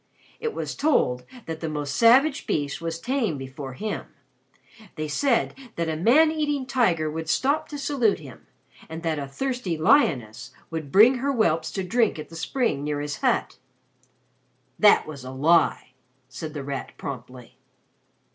It was told that the most savage beast was tame before him. They said that a man eating tiger would stop to salute him, and that a thirsty lioness would bring her whelps to drink at the spring near his hut." "That was a lie," said The Rat promptly.